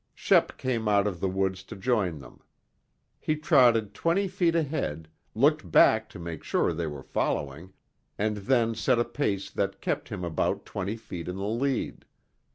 Shep came out of the woods to join them. He trotted twenty feet ahead, looked back to make sure they were following, and then set a pace that kept him about twenty feet in the lead.